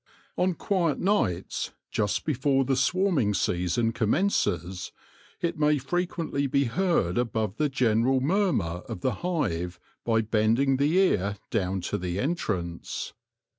On quiet nights, just before the swarming season commences, it may fre quently be heard above the general murmur of the hive by bending the ear down to the entrance.